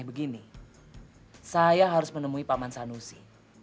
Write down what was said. begini saya harus menemui paman sanusi